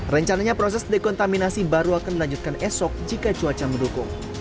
rencananya proses dekontaminasi baru akan dilanjutkan esok jika cuaca mendukung